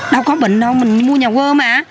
đâu có bệnh đâu mình mua nhà quơ mà